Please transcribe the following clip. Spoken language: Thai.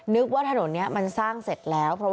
ว่าถนนนี้มันสร้างเสร็จแล้ว